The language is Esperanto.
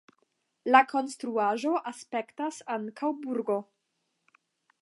La konstruaĵo aspektas ankaŭ burgo.